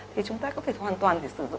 thì chúng ta có thể hoàn toàn sử dụng